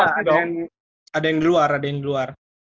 nggak ada yang di luar ada yang di luar